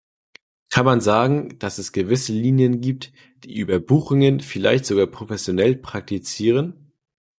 Kann man sagen, dass es gewisse Linien gibt, die Überbuchungen vielleicht sogar professionell praktizieren?